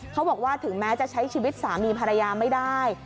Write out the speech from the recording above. เขาบอกว่าถึงแม้จะใช้ชีวิตสามีภรรยาไม่ได้